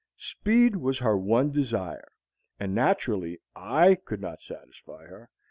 Speed was her one desire, and naturally I could not satisfy her.